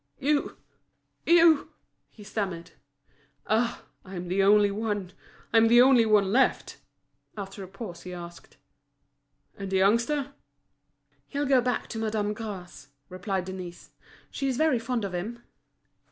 "You! you!" he stammered. "Ah, I'm the only one—I'm the only one left!" After a pause, he asked: "And the youngster?" "He'll go back to Madame Gras's," replied Denise. "She was very fond of him."